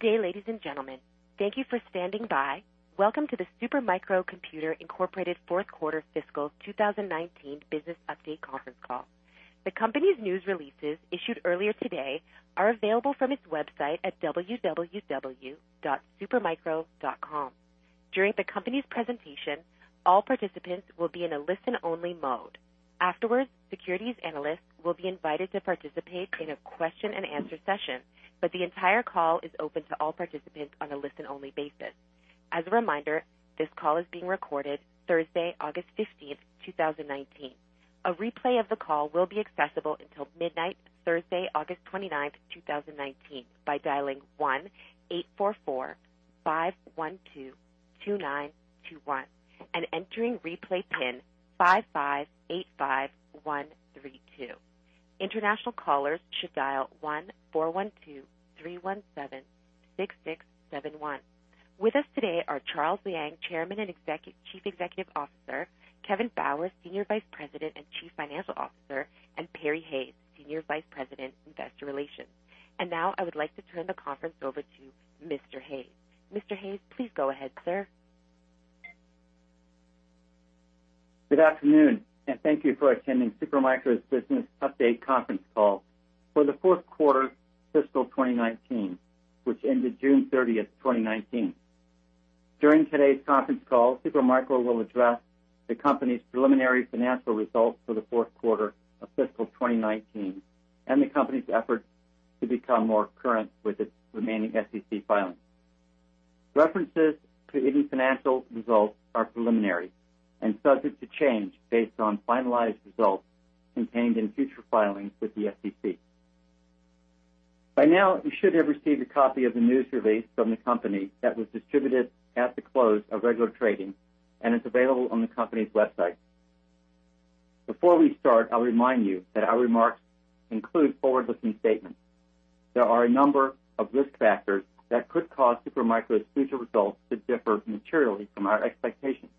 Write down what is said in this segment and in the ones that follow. Good day, ladies and gentlemen. Thank you for standing by. Welcome to the Super Micro Computer, Inc. fourth quarter fiscal 2019 business update conference call. The company's news releases, issued earlier today, are available from its website at www.supermicro.com. During the company's presentation, all participants will be in a listen-only mode. Afterwards, securities analysts will be invited to participate in a question and answer session, but the entire call is open to all participants on a listen-only basis. As a reminder, this call is being recorded Thursday, August 15th, 2019. A replay of the call will be accessible until midnight, Thursday, August 29th, 2019 by dialing 1-844-512-2921 and entering replay pin 5585132. International callers should dial 1-412-317-6671. With us today are Charles Liang, Chairman and Chief Executive Officer, Kevin Bauer, Senior Vice President and Chief Financial Officer, and Perry Hayes, Senior Vice President, Investor Relations. Now I would like to turn the conference over to Mr. Hayes. Mr. Hayes, please go ahead, sir. Good afternoon, thank you for attending Super Micro's business update conference call for the fourth quarter fiscal 2019, which ended June 30th, 2019. During today's conference call, Super Micro will address the company's preliminary financial results for the fourth quarter of fiscal 2019 and the company's efforts to become more current with its remaining SEC filings. References to any financial results are preliminary and subject to change based on finalized results contained in future filings with the SEC. By now, you should have received a copy of the news release from the company that was distributed at the close of regular trading and is available on the company's website. Before we start, I'll remind you that our remarks include forward-looking statements. There are a number of risk factors that could cause Super Micro's future results to differ materially from our expectations.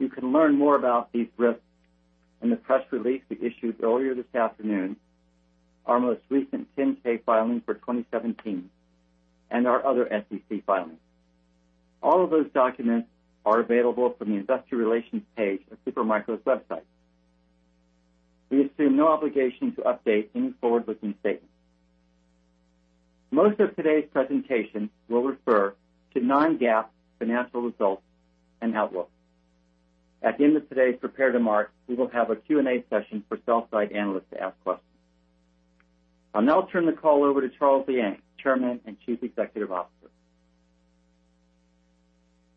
You can learn more about these risks in the press release we issued earlier this afternoon, our most recent 10-K filing for 2017, and our other SEC filings. All of those documents are available from the investor relations page of Super Micro's website. We assume no obligation to update any forward-looking statement. Most of today's presentation will refer to non-GAAP financial results and outlook. At the end of today's prepared remarks, we will have a Q&A session for sell-side analysts to ask questions. I'll now turn the call over to Charles Liang, Chairman and Chief Executive Officer.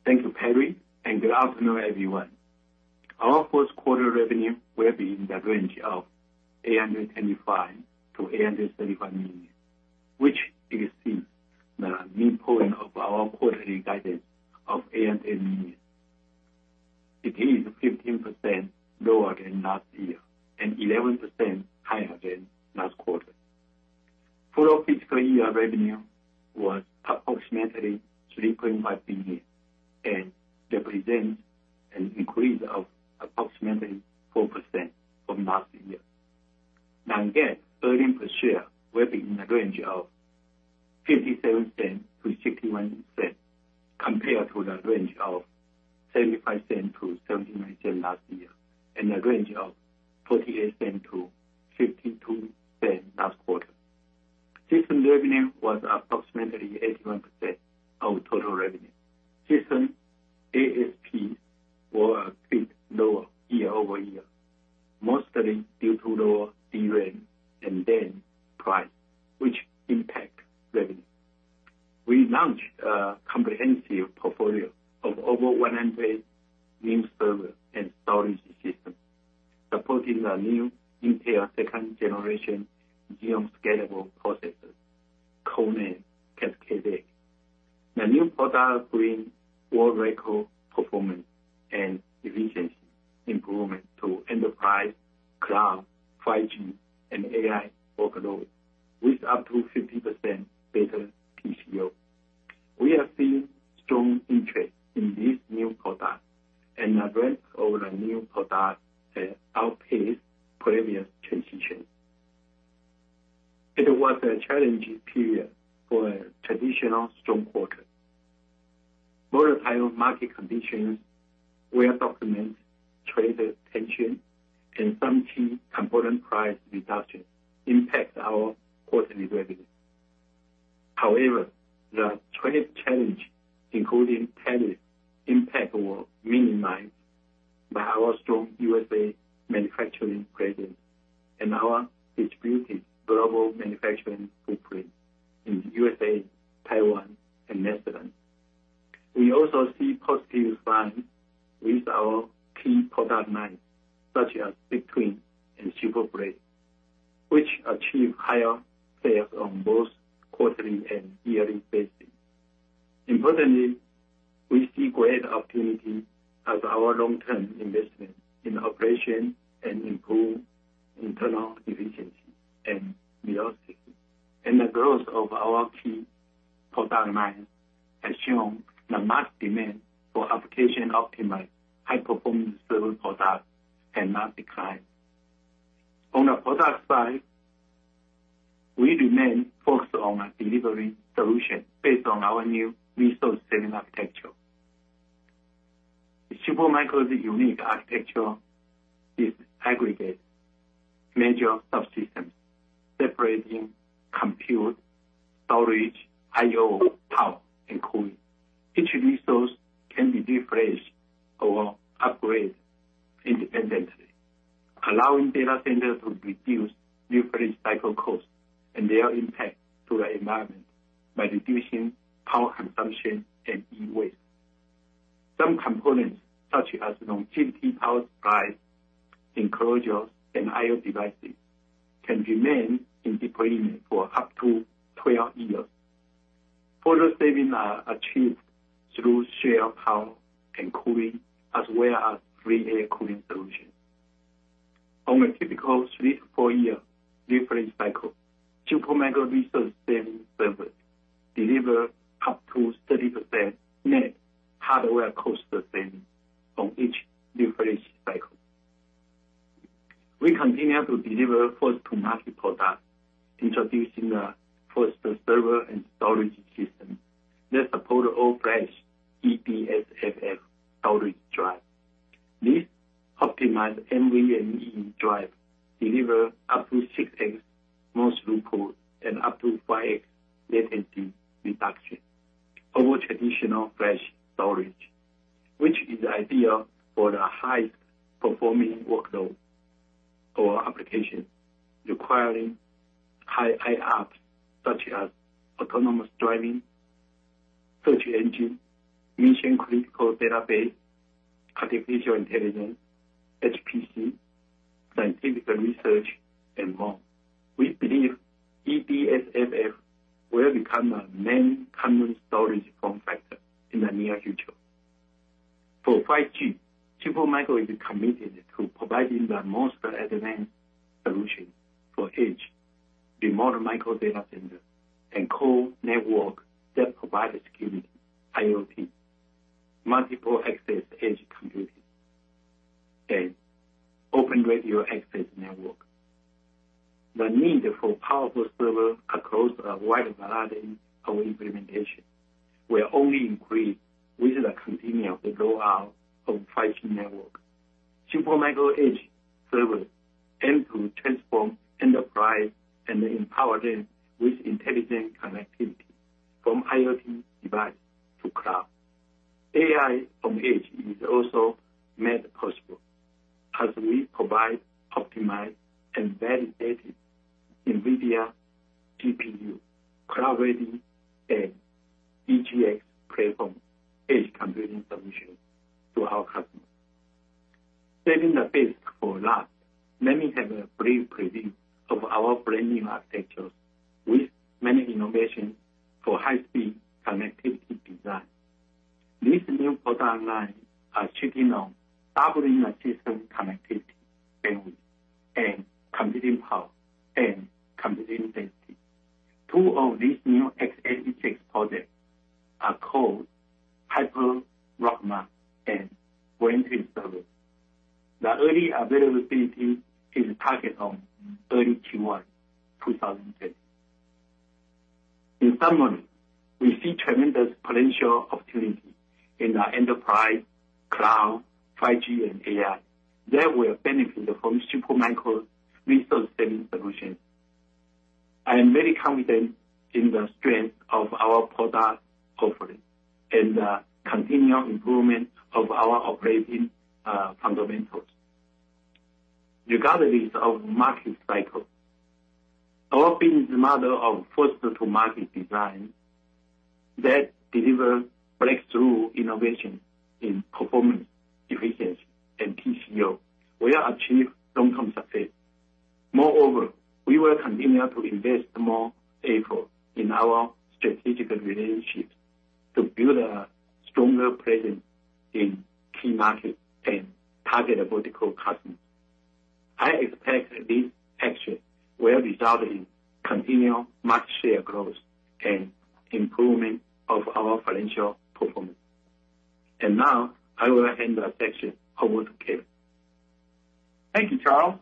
Thank you, Perry. Good afternoon, everyone. Our first quarter revenue will be in the range of $825 million-$835 million, which exceeds the midpoint of our quarterly guidance of $808 million. It is 15% lower than last year and 11% higher than last quarter. Full fiscal year revenue was approximately $3.5 billion and represents an increase of approximately 4% from last year. Non-GAAP earnings per share will be in the range of $0.57-$0.61, compared to the range of $0.75-$0.79 last year and a range of $0.48-$0.52 last quarter. System revenue was approximately 81% of total revenue. System ASP were a bit lower year-over-year, mostly due to lower DRAM and NAND price, which impact revenue. We launched a comprehensive portfolio of over 100 new server and storage systems, supporting the new Intel second generation Xeon scalable processors, codename Cascade Lake. The new product brings world record performance and efficiency improvement to enterprise, cloud, 5G, and AI workloads, with up to 50% better TCO. We have seen strong interest in these new products, and the breadth of the new products has outpaced premium transition. It was a challenging period for a traditional strong quarter. Volatile market conditions, where documented trade tension and some key component price reduction impact our quarterly revenue. The trade challenge, including tariff impact, were minimized by our strong USA manufacturing presence and our distributed global manufacturing footprint in USA, Taiwan, and Netherlands. We also see positive signs with our key product lines, such as BigTwin and SuperBlade, which achieve higher sales on both quarterly and yearly basis. Importantly, we see great opportunity as our long-term investment in operation and improve internal efficiency, and the growth of our key product line has shown the mass demand for application-optimized high-performance server products has not declined. On the product side, we remain focused on delivering solutions based on our new resource-saving architecture. Super Micro's unique architecture is aggregate major subsystems, separating compute, storage, IO, power, and cooling. Each resource can be refreshed or upgraded independently, allowing data centers to reduce refresh cycle costs and their impact to the environment by reducing power consumption and e-waste. Some components, such as longevity power supplies, enclosures, and IO devices, can remain in deployment for up to 12 years. Further savings are achieved through shared power and cooling, as well as free air cooling solutions. On a typical three to four-year refresh cycle, Super Micro resource saving servers deliver up to 30% net hardware cost savings on each refresh cycle. We continue to deliver first-to-market products, introducing the first server and storage system that support all flash EDSFF storage drive. This optimized NVMe drive delivers up to 6x more throughput and up to 5x latency reduction over traditional flash storage. Which is ideal for the high-performing workload or application requiring high IOPS, such as autonomous driving, search engine, mission-critical database, artificial intelligence, HPC, scientific research, and more. We believe EDSFF will become a main common storage form factor in the near future. For 5G, Super Micro is committed to providing the most advanced solution for edge, remote micro data center, and core network that provide security, IoT, multiple access edge computing, and Open Radio Access Network. The need for powerful servers across a wide variety of implementation will only increase with the continual roll out of 5G network. Super Micro edge servers aim to transform enterprise and empower them with intelligent connectivity from IoT device to cloud. AI on edge is also made possible as we provide optimized and validated NVIDIA GPU, cloud-ready, and DGX platform edge computing solution to our customers. Saving the best for last, let me have a brief preview of our brand new architectures with many innovations for high-speed connectivity design. This new product line are checking on doubling a system connectivity bandwidth and computing power and computing density. Two of these new x86 projects are called Hyper Rama and Wind River. The early availability is target on early Q1 2010. In summary, we see tremendous potential opportunity in the enterprise, cloud, 5G, and AI that will benefit from Super Micro resource-saving solution. I am very confident in the strength of our product offering and the continual improvement of our operating fundamentals. Regardless of market cycle, our business model of first-to-market design that deliver breakthrough innovation in performance, efficiency, and TCO will achieve long-term success. Moreover, we will continue to invest more effort in our strategic relationships to build a stronger presence in key markets and target vertical customers. I expect these actions will result in continual market share growth and improvement of our financial performance. Now, I will hand the section over to Kevin. Thank you, Charles.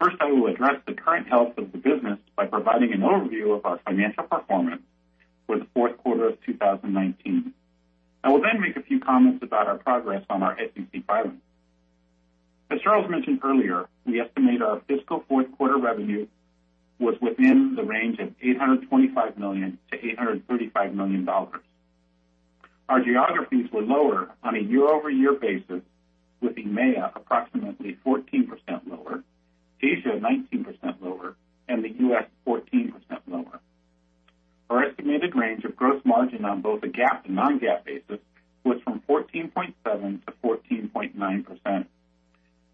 First, I will address the current health of the business by providing an overview of our financial performance for the fourth quarter of 2019. I will then make a few comments about our progress on our SEC filing. As Charles mentioned earlier, we estimate our fiscal fourth quarter revenue was within the range of $825 million-$835 million. Our geographies were lower on a year-over-year basis, with EMEA approximately 14% lower, Asia 19% lower, and the U.S. 14% lower. Our estimated range of gross margin on both a GAAP and non-GAAP basis was from 14.7%-14.9%.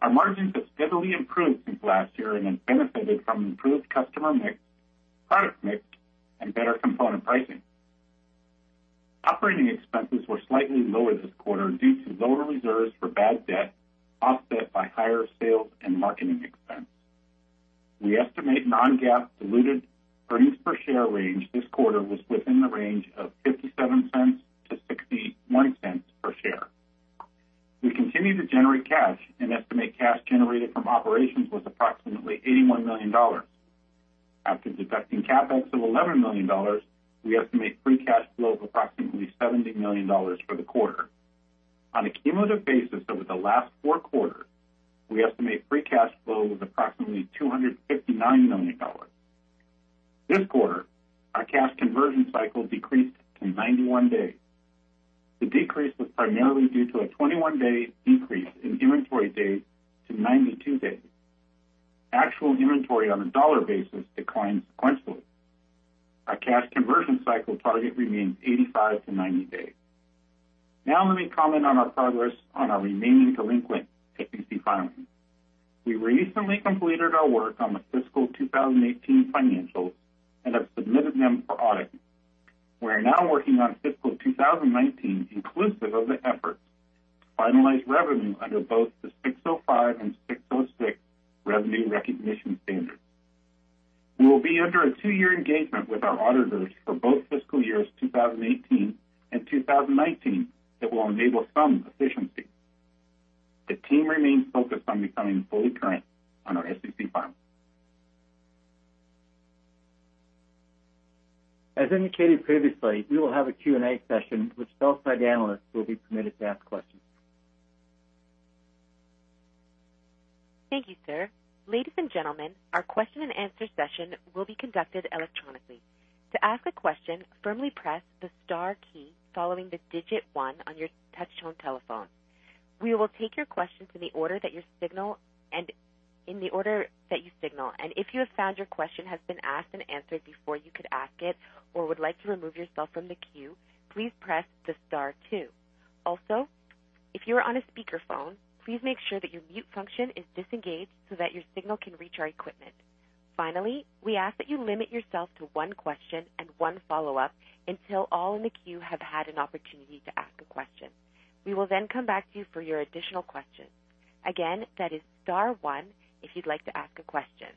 Our margins have steadily improved since last year and have benefited from improved customer mix, product mix, and better component pricing. Operating expenses were slightly lower this quarter due to lower reserves for bad debt, offset by higher sales and marketing expense. We estimate non-GAAP diluted earnings per share range this quarter was within the range of $0.57 to $0.61 per share. We continue to generate cash and estimate cash generated from operations was approximately $81 million. After deducting CapEx of $11 million, we estimate free cash flow of approximately $70 million for the quarter. On a cumulative basis over the last four quarters, we estimate free cash flow of approximately $259 million. This quarter, our cash conversion cycle decreased to 91 days. The decrease was primarily due to a 21-day decrease in inventory days to 92 days. Actual inventory on a dollar basis declined sequentially. Our cash conversion cycle target remains 85 to 90 days. Let me comment on our progress on our remaining delinquent SEC filings. We recently completed our work on the fiscal 2018 financials and have submitted them for auditing. We are now working on fiscal 2019, inclusive of the efforts to finalize revenue under both the ASC 605 and ASC 606 revenue recognition standards. We will be under a two-year engagement with our auditors for both fiscal years 2018 and 2019 that will enable some efficiency. The team remains focused on becoming fully current on our SEC filings. As indicated previously, we will have a Q&A session which outside analysts will be permitted to ask questions. Thank you, sir. Ladies and gentlemen, our question and answer session will be conducted electronically. To ask a question, firmly press the star key following the digit one on your touch tone telephone. We will take your questions in the order that you signal. If you have found your question has been asked and answered before you could ask it or would like to remove yourself from the queue, please press the star two. If you are on a speakerphone, please make sure that your mute function is disengaged so that your signal can reach our equipment. Finally, we ask that you limit yourself to one question and one follow-up until all in the queue have had an opportunity to ask a question. We will come back to you for your additional questions. Again, that is star one if you'd like to ask a question.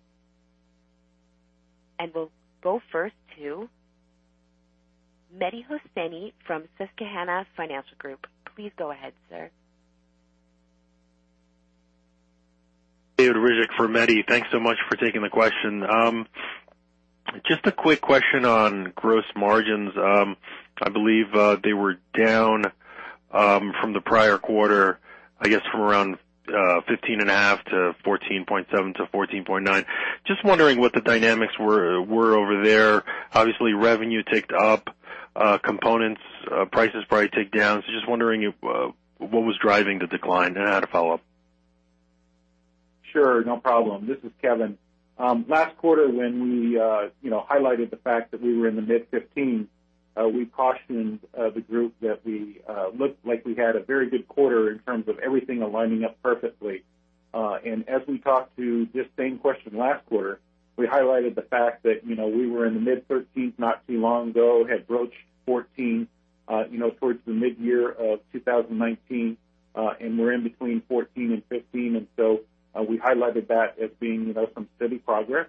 We'll go first to Mehdi Hosseini from Susquehanna Financial Group. Please go ahead, sir. David Riddick for Mehdi. Thanks so much for taking the question. Just a quick question on gross margins. I believe they were down from the prior quarter, I guess from around 15.5% to 14.7% to 14.9%. Just wondering what the dynamics were over there. Obviously, revenue ticked up, components prices probably ticked down. Just wondering what was driving the decline, and I had a follow-up. Sure, no problem. This is Kevin. Last quarter, when we highlighted the fact that we were in the mid-15, we cautioned the group that we looked like we had a very good quarter in terms of everything aligning up perfectly. As we talked to this same question last quarter, we highlighted the fact that we were in the mid-13s not too long ago, had broached 14 towards the mid-year of 2019, and we're in between 14 and 15. We highlighted that as being some steady progress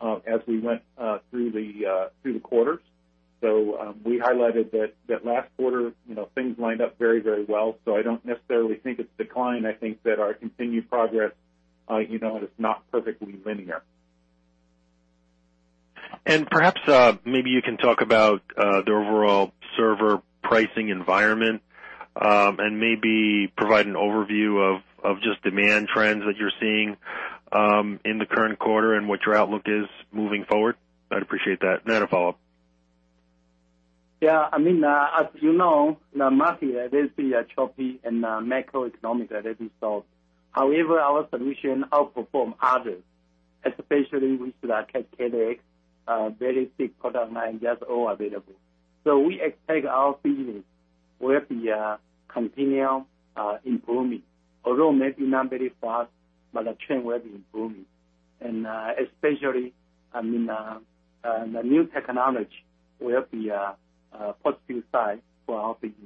as we went through the quarters. We highlighted that last quarter things lined up very well. I don't necessarily think it's decline. I think that our continued progress is not perfectly linear. Perhaps, maybe you can talk about the overall server pricing environment, and maybe provide an overview of just demand trends that you're seeing in the current quarter and what your outlook is moving forward. I'd appreciate that. A follow-up. Yeah. As you know, the market has been choppy and macroeconomic has been soft. However, our solution outperform others, especially with the K8s, very thick product line, just all available. We expect our business will be continue improving, although maybe not very fast, but the trend will be improving. And especially, the new technology will be a positive side for our business.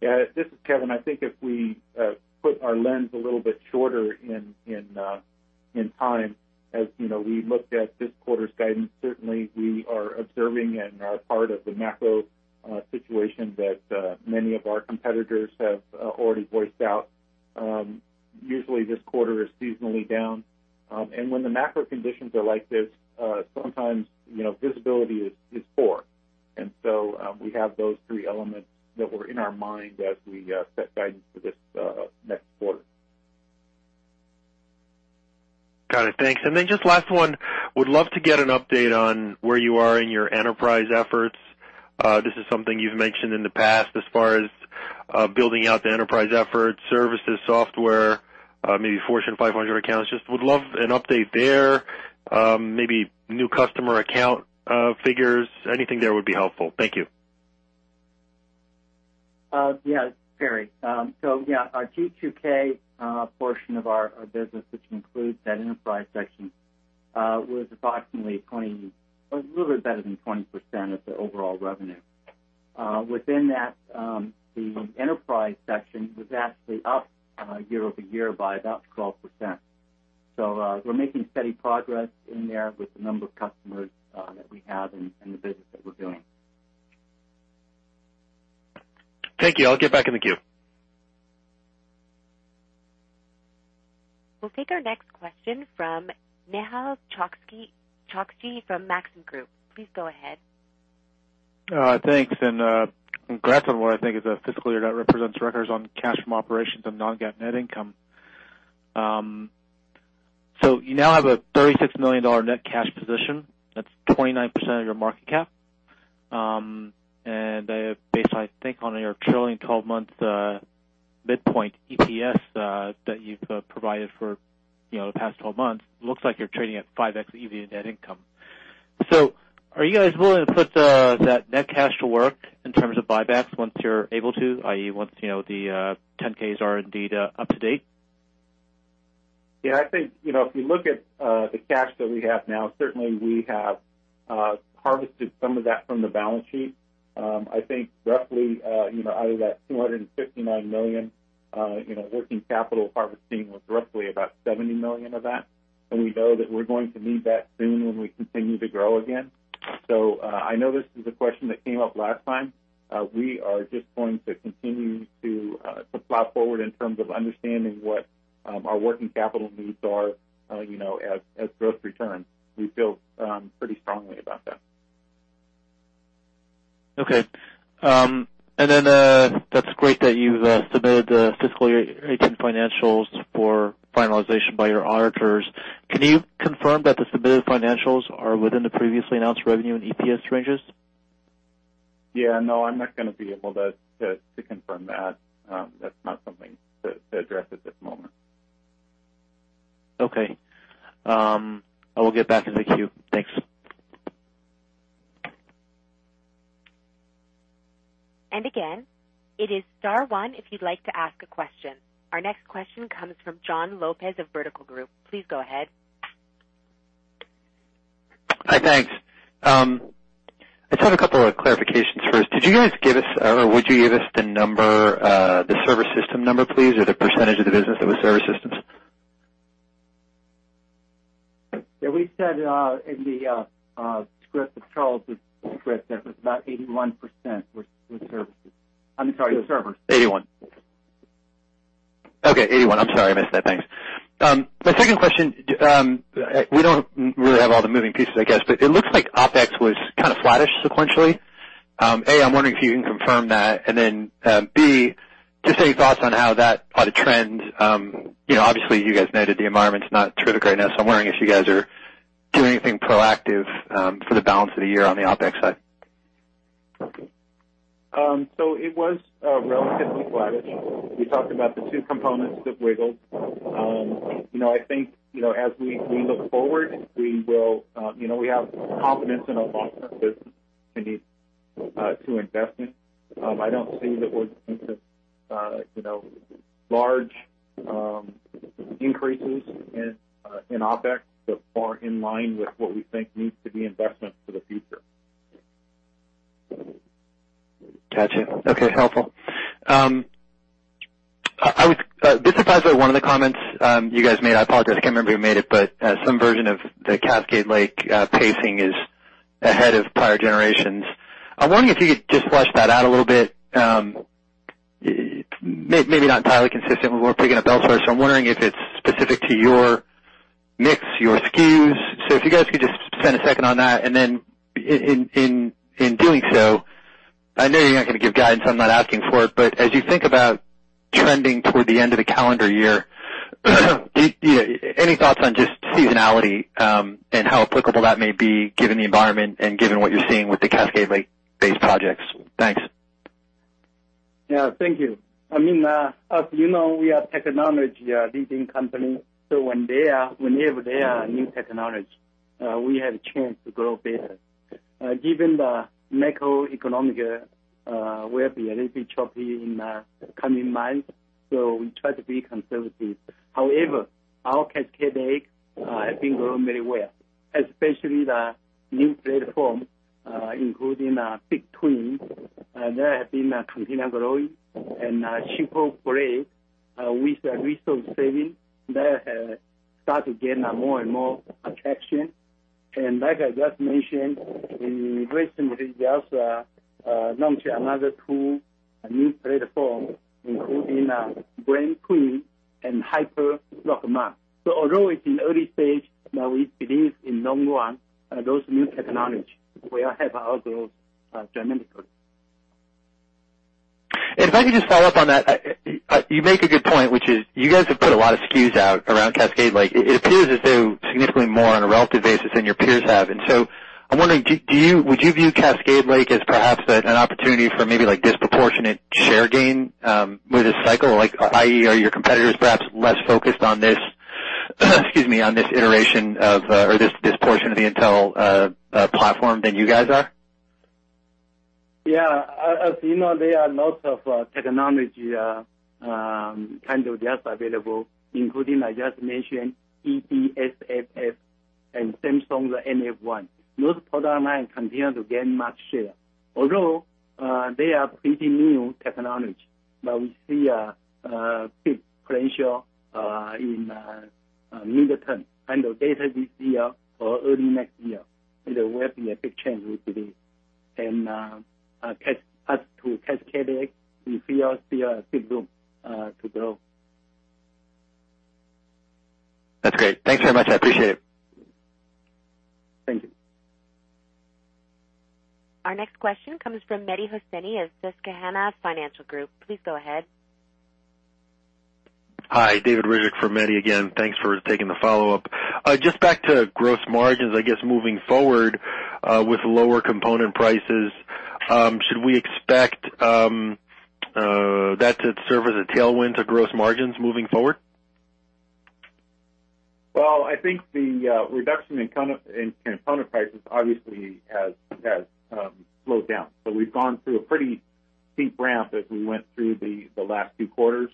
Yeah, this is Kevin. I think if we put our lens a little bit shorter in time, as we looked at this quarter's guidance, certainly we are observing and are part of the macro situation that many of our competitors have already voiced out. Usually, this quarter is seasonally down. When the macro conditions are like this, sometimes visibility is poor. So we have those three elements that were in our mind as we set guidance for this next quarter. Got it. Thanks. Just last one. Would love to get an update on where you are in your enterprise efforts. This is something you've mentioned in the past as far as building out the enterprise effort, services, software, maybe Fortune 500 accounts. Just would love an update there. Maybe new customer account figures. Anything there would be helpful. Thank you. Yeah, this is Perry. Yeah, our G2K portion of our business, which includes that enterprise section, was approximately a little bit better than 20% of the overall revenue. Within that, the enterprise section was actually up year-over-year by about 12%. We're making steady progress in there with the number of customers that we have and the business that we're doing. Thank you. I'll get back in the queue. We'll take our next question from Nehal Chokshi from Maxim Group. Please go ahead. Thanks, congrats on what I think is a fiscal year that represents records on cash from operations and non-GAAP net income. You now have a $36 million net cash position. That's 29% of your market cap. Based, I think, on your trailing 12-month midpoint EPS that you've provided for the past 12 months, looks like you're trading at 5x EV in net income. Are you guys willing to put that net cash to work in terms of buybacks once you're able to, i.e., once the 10-Ks are indeed up to date? Yeah, I think, if you look at the cash that we have now, certainly we have harvested some of that from the balance sheet. I think roughly, out of that $259 million, working capital harvesting was roughly about $70 million of that. We know that we're going to need that soon when we continue to grow again. I know this is a question that came up last time. We are just going to continue to plot forward in terms of understanding what our working capital needs are as growth returns. We feel pretty strongly about that. Okay. That's great that you've submitted the fiscal 2018 financials for finalization by your auditors. Can you confirm that the submitted financials are within the previously announced revenue and EPS ranges? Yeah, no, I'm not going to be able to confirm that. That's not something to address at this moment. Okay. I will get back in the queue. Thanks. Again, it is star 1 if you'd like to ask a question. Our next question comes from Jon Lopez of Vertical Group. Please go ahead. Hi. Thanks. I just have a couple of clarifications first. Did you guys give us, or would you give us the server system number, please, or the percentage of the business that was server systems? Yeah, we said in the script that Charles would script, that was about 81% with services. I'm sorry, with servers. 81. Okay, 81. I'm sorry, I missed that. Thanks. My second question, we don't really have all the moving pieces, I guess, but it looks like OpEx was kind of flattish sequentially. A, I'm wondering if you can confirm that, and then, B, just any thoughts on how that ought to trend. Obviously, you guys noted the environment's not terrific right now. I'm wondering if you guys are doing anything proactive for the balance of the year on the OpEx side. It was relatively flattish. We talked about the two components that wiggled. I think, as we look forward, we have confidence in our long-term business continue to invest in. I don't see that we're going to see large increases in OpEx that are in line with what we think needs to be investment for the future. Got you. Okay. Helpful. This applies to one of the comments you guys made. I apologize, I can't remember who made it, but some version of the Cascade Lake pacing is ahead of prior generations. I'm wondering if you could just flesh that out a little bit. Maybe not entirely consistent with what we're picking up elsewhere, so I'm wondering if it's specific to your mix, your SKUs. If you guys could just spend a second on that, and then in doing so, I know you're not going to give guidance, so I'm not asking for it, but as you think about trending toward the end of the calendar year, any thoughts on just seasonality and how applicable that may be given the environment and given what you're seeing with the Cascade Lake-based projects? Thanks. Yeah. Thank you. As you know, we are technology-leading company. Whenever there are new technology, we have a chance to grow better. Given the macroeconomic will be a little bit choppy in the coming months, we try to be conservative. However, our Cascade Lake have been growing very well, especially the new platform, including BigTwin. That have been continually growing. SuperBlade, with resource-saving, that has started to gain more and more attraction. Like I just mentioned, we recently just launched another two new platform, including SuperBlade and Hyper. Although it's in early stage, now we believe in long run, those new technology will have all those dramatically. If I could just follow up on that. You make a good point, which is you guys have put a lot of SKUs out around Cascade Lake. It appears as though significantly more on a relative basis than your peers have. I'm wondering, would you view Cascade Lake as perhaps an opportunity for maybe disproportionate share gain with this cycle? I.e., are your competitors perhaps less focused on this iteration of, or this portion of the Intel platform than you guys are? Yeah. As you know, there are lots of technology kinds of just available, including, I just mentioned, EDSFF and Samsung's NF1. Those product lines continue to gain much share. Although they are pretty new technology, but we see a big potential in the midterm and later this year or early next year. There will be a big change with this. As to Cascade Lake, we still see a big room to grow. That's great. Thanks very much. I appreciate it. Thank you. Our next question comes from Mehdi Hosseini of Susquehanna Financial Group. Please go ahead. Hi, David Reddick for Mehdi again. Thanks for taking the follow-up. Just back to gross margins, I guess moving forward, with lower component prices, should we expect that to serve as a tailwind to gross margins moving forward? Well, I think the reduction in component prices obviously has slowed down. We've gone through a pretty steep ramp as we went through the last two quarters.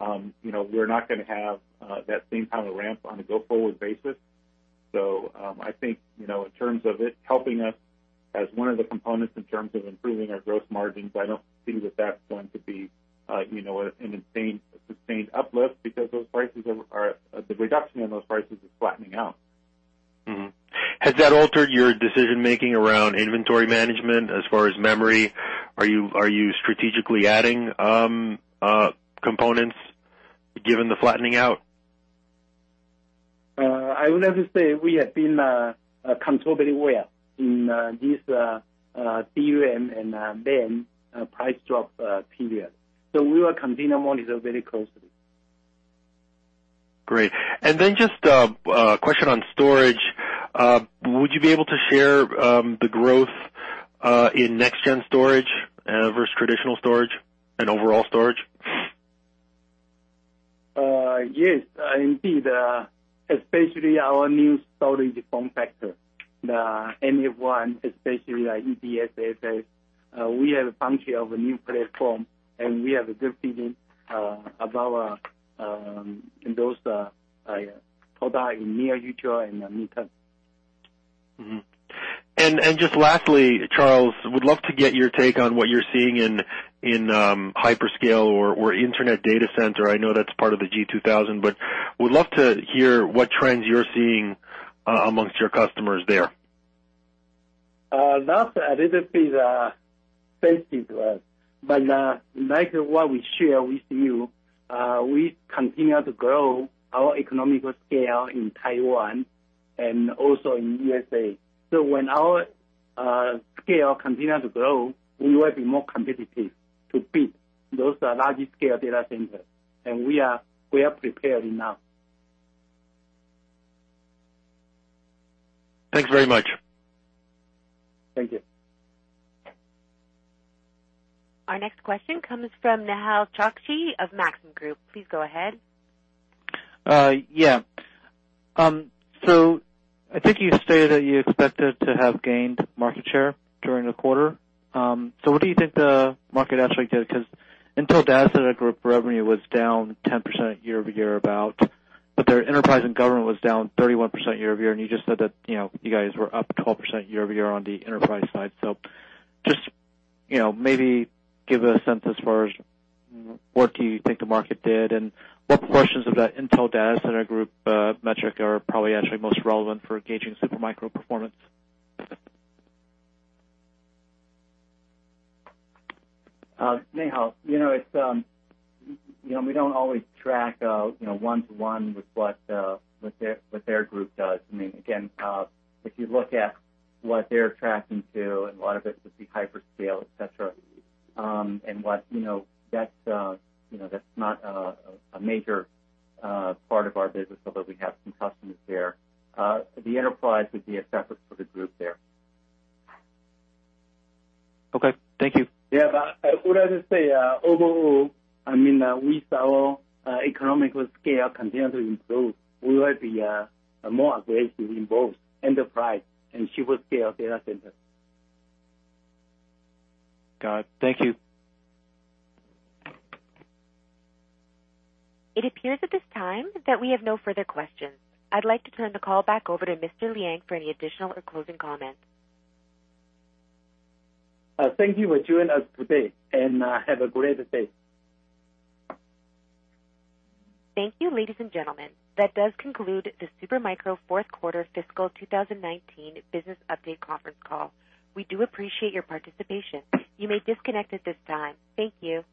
We're not going to have that same kind of ramp on a go-forward basis. I think, in terms of it helping us as one of the components in terms of improving our gross margins, I don't see that that's going to be a sustained uplift because the reduction in those prices is flattening out. Has that altered your decision-making around inventory management as far as memory? Are you strategically adding components given the flattening out? I would have to say we have been controlling well in this DRAM price drop period. We will continue to monitor very closely. Great. Just a question on storage. Would you be able to share the growth in next-gen storage versus traditional storage and overall storage? Yes, indeed. Especially our new storage form factor, the NF1, especially like EDSFF, SSA. We have a function of a new platform, and we have a good feeling about those products in near future and midterm. Just lastly, Charles, would love to get your take on what you're seeing in hyperscale or internet data center. I know that's part of the G 2000, would love to hear what trends you're seeing amongst your customers there. That's a little bit sensitive to us, but like what we share with you, we continue to grow our economical scale in Taiwan and also in U.S.A. When our scale continues to grow, we will be more competitive to beat those large-scale data centers. We are prepared enough. Thanks very much. Thank you. Our next question comes from Nehal Chokshi of Maxim Group. Please go ahead. Yeah. I think you stated that you expected to have gained market share during the quarter. What do you think the market actually did? Intel Data Center Group revenue was down 10% year-over-year about, but their enterprise and government was down 31% year-over-year, and you just said that you guys were up 12% year-over-year on the enterprise side. Just maybe give a sense as far as what do you think the market did, and what portions of that Intel Data Center Group metric are probably actually most relevant for gauging Super Micro performance? Nehal, we don't always track one-to-one with what their group does. I mean, again, if you look at what they're tracking too, and a lot of it would be hyperscale, et cetera, and that's not a major part of our business, although we have some customers there. The enterprise would be a separate for the group there. Okay. Thank you. Yeah. What I would say, overall, I mean, with our economical scale continue to improve, we will be more aggressive in both enterprise and hyperscale data centers. Got it. Thank you. It appears at this time that we have no further questions. I'd like to turn the call back over to Mr. Liang for any additional or closing comments. Thank you for joining us today, and have a great day. Thank you, ladies and gentlemen. That does conclude the Super Micro fourth quarter fiscal 2019 business update conference call. We do appreciate your participation. You may disconnect at this time. Thank you.